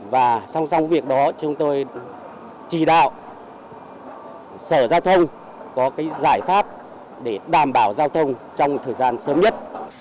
và sau trong việc đó chúng tôi chỉ đạo sở giao thông có cái giải pháp để đảm bảo giao thông trong thời gian sớm nhất